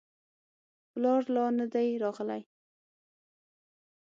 پلار لا نه دی راغلی.